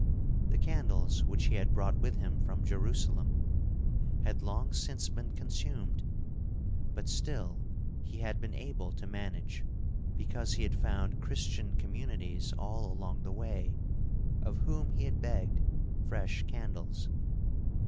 The candles which he had brought with him from Jerusalem had long since been consumed; but still he had been able to manage because he had found Christian communities all along the way, of whom he had begged fresh candles.